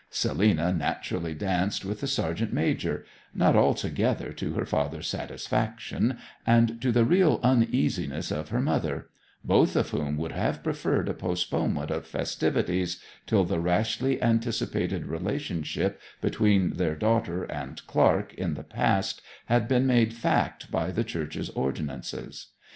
Selina naturally danced with the sergeant major, not altogether to her father's satisfaction, and to the real uneasiness of her mother, both of whom would have preferred a postponement of festivities till the rashly anticipated relationship between their daughter and Clark in the past had been made fact by the church's ordinances.